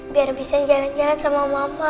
biar bisa jalan jalan sama mama